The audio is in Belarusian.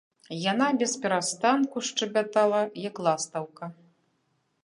Яна бесперастанку шчабятала, як ластаўка.